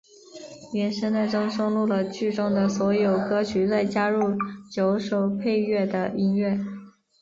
原声带中收录了剧中的所有歌曲再加入九首配乐的音乐。